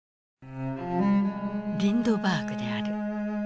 リンドバーグである。